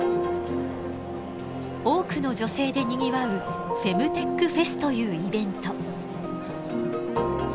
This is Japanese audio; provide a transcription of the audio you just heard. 多くの女性でにぎわうフェムテックフェスというイベント。